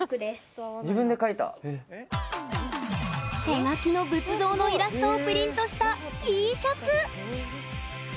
手描きの仏像のイラストをプリントしたＴシャツ。